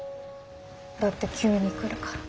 だって急に来るから。